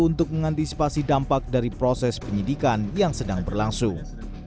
untuk mengantisipasi dampak dari proses penyidikan yang sedang berlangsung